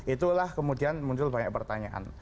itulah kemudian muncul banyak pertanyaan